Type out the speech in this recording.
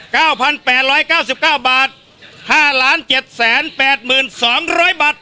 เก้าพันแปดร้อยเก้าสิบเก้าบาทห้าล้านเจ็ดแสนแปดหมื่นสองร้อยบาท